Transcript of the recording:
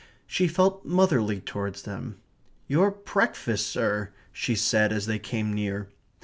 She felt motherly towards them. "Your breakfast, sir," she said, as they came near.